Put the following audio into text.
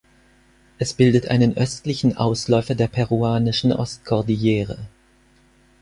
Es bildet einen östlichen Ausläufer der peruanischen Ostkordillere.